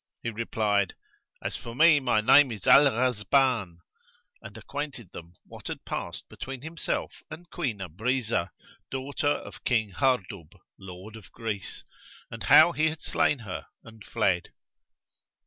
He replied, "As for me my name is Al Ghazbán," and acquainted them what had passed between himself and Queen Abrizah, daughter of King Hardub, Lord of Greece, and how he had slain her and fled.